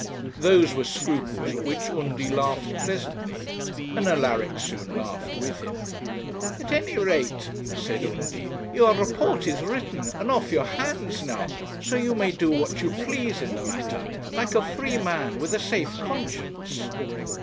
Those were scruples at which Undy laughed pleasantly, and Alaric soon laughed with him. 'At any rate,' said Undy, 'your report is written, and off your hands now: so you may do what you please in the matter, like a free man, with a safe conscience.'